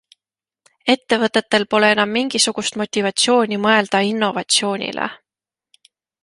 Ettevõtetel pole enam mingisugust motivatsiooni mõelda innovatsioonile.